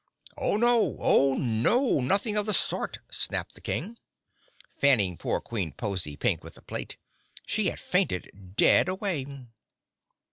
"Oh, no! Oh, no! Nothing of the sort!" snapped the King, fanning poor Queen Pozy Pink with a plate. She had fainted dead away.